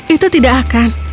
itu tidak akan